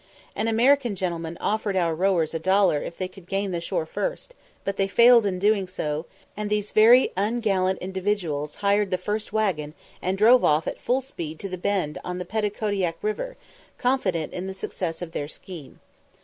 An American gentleman offered our rowers a dollar if they could gain the shore first, but they failed in doing so, and these very ungallant individuals hired the first waggon, and drove off at full speed to the Bend on the Petticodiac river, confident in the success of their scheme.